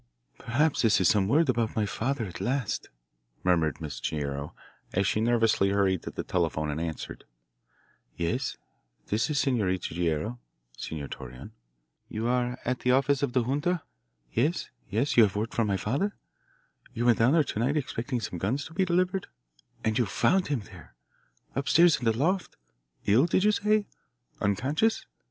"Perhaps this is some word about my father at last," murmured Miss Guerrero as she nervously hurried to the telephone, and answered, "Yes, this is Senorita Guerrero, Senor Torreon. You are at the office of the junta? Yes, yes, you have word from my father you went down there to night expecting some guns to be delivered? and you found him there up stairs in the loft ill, did you say? unconscious?"